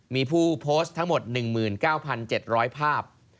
มีผู้โพสต์ทั้งหมด๑๙๗๐๐ภาพ